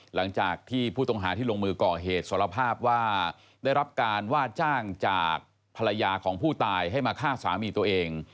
หลังจากที่ผู้ต้องหาที่ลงมือก่อเหตุสารภาพว่าได้รับการว่าจ้างจากภรรยาของผู้ตายให้มาฆ่าสามีตัวเอง